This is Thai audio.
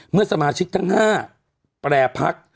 เมื่อสมาชิกทั้ง๕แปรพัก